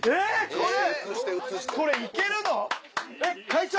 これいけるの⁉会長